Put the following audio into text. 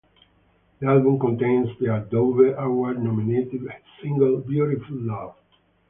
The album contains their Dove Award-nominated hit single "Beautiful Love".